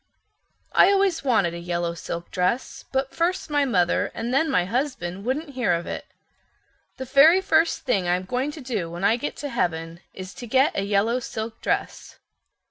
I always wanted a yellow silk dress, but first my mother and then my husband wouldn't hear of it. The very first thing I'm going to do when I get to heaven is to get a yellow silk dress."